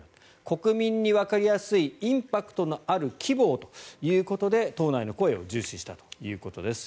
国民にわかりやすいインパクトのある規模をということで党内の声を重視したということです。